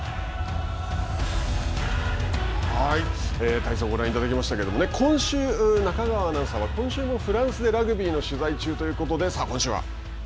体操、ご覧いただきましたけれども、今週中川アナウンサーは、今週もフランスでラグビーの取材中ということで、今週は。